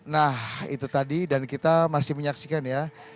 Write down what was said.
nah itu tadi dan kita masih menyaksikan ya